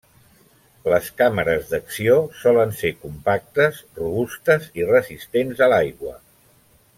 Les càmeres d'acció solen ser compactes, robustes i resistents a l'aigua.